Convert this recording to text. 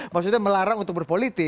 maksudnya melarang untuk berpolitik